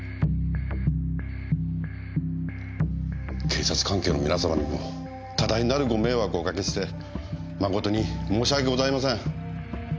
警察関係の皆様にも多大なるご迷惑をおかけして誠に申し訳ございません。